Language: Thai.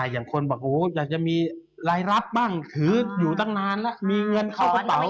อย่างคนบอกอยากจะมีรายรับบ้างถืออยู่ตั้งนานแล้วมีเงินเข้ากระเป๋า